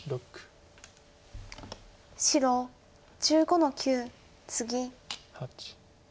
白１５の九ツギ。